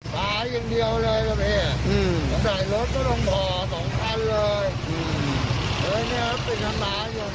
ก็ไม่รู้จะพูดยังไงแล้วนี่แหละ